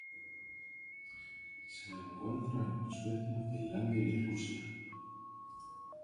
Se encuentra en Suecia, Finlandia y Rusia.